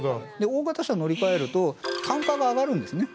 大型車乗り換えると単価が上がるんですね